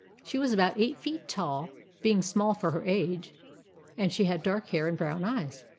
She was about eight feet tall, being small for her age, and she had dark hair and brown eyes.